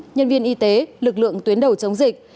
nhân viên y tế lực lượng tuyến đầu chống dịch